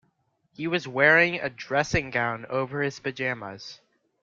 He was wearing a dressing gown over his pyjamas